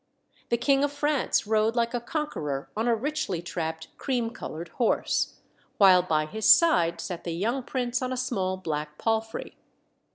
The King of France rode like a conqueror on a richly trapped cream coloured horse, while by his side sat the young prince on a small black palfrey.